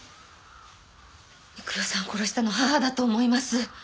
幾代さんを殺したの義母だと思います。